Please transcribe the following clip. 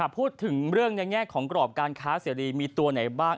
พูดถึงเรื่องในแง่ของกรอบการค้าเสรีมีตัวไหนบ้าง